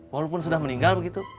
walaupun sudah meninggal begitu